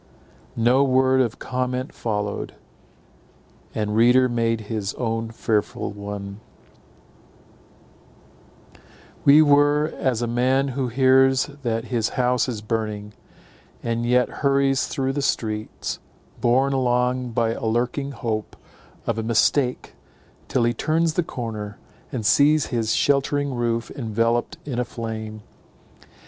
No word of comment followed; each reader made his own fearful one. We were as a man who hears that his house is burning, and yet hurries through the streets, borne along by a lurking hope of a mistake, till he turns the corner, and sees his sheltering roof enveloped in a flame.